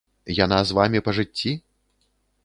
Яна з вамі па жыцці?